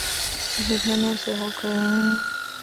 这些片断随后可被凝胶电泳分开并显示出来。